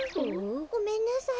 ごめんなさい。